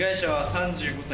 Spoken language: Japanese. ３５歳。